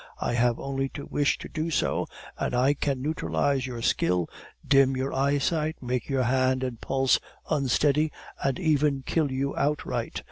I have only to wish to do so, and I can neutralize your skill, dim your eyesight, make your hand and pulse unsteady, and even kill you outright.